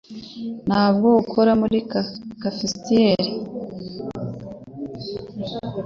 Ntabwo ukora muri cafeteria